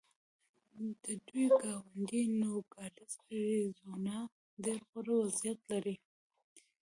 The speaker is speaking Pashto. د دوی ګاونډی نوګالس اریزونا ډېر غوره وضعیت لري.